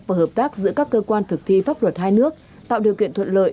và hợp tác giữa các cơ quan thực thi pháp luật hai nước tạo điều kiện thuận lợi